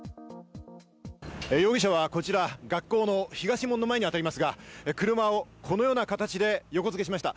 容疑者はこちら学校の東門の前に当たりますが、車をこのような形で横付けしました。